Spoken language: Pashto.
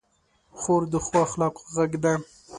خور د ښو اخلاقو غږ ده.